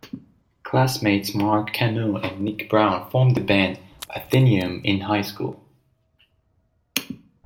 Classmates Mark Kano and Nic Brown formed the band, Athenaeum, in highschool.